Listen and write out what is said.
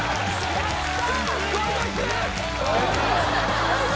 やった！